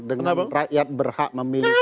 dengan rakyat berhak memilih